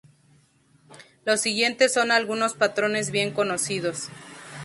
Los siguientes son algunos patrones bien conocidos.